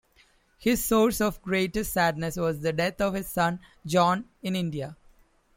His source of greatest sadness was the death of his son John in India.